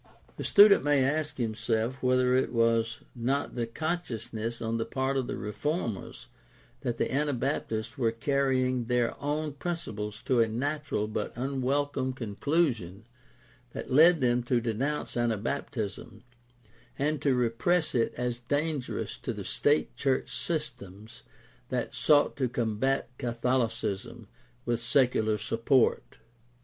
The student may ask himself whether it was not the con sciousness on the part of the "Reformers" that the Ana baptists were carrying their own principles to a natural but unwelcome conclusion that led them to denounce Anabaptism and to repress it as dangerous to the state church systems that sought to combat Catholicism with secular support.